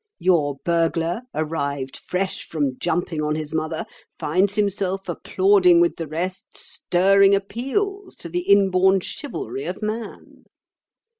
Your burglar, arrived fresh from jumping on his mother, finds himself applauding with the rest stirring appeals to the inborn chivalry of man.